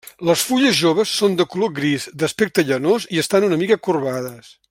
Les fulles joves són de color gris, d'aspecte llanós i estan una mica corbades.